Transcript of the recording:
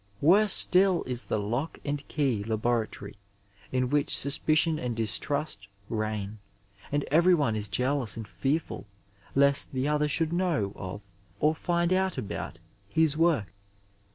Worse still is the " lock and key *' laboratory in which suspicion and distrust reign, and everyone is jealous and fearful lest the other should know of or find out about his work.